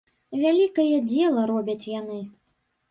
Вялікае дзела робяць яны.